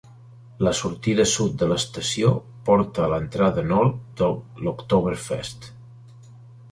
La sortida sud de l'estació porta a l'entrada nord de l'Oktoberfest.